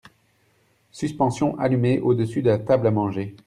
Suspension allumée au-dessus de la table à manger.